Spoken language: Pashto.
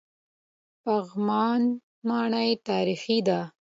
پغمان ماڼۍ تاریخي ده؟